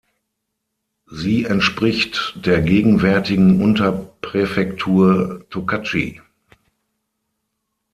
Sie entspricht der gegenwärtigen Unterpräfektur Tokachi.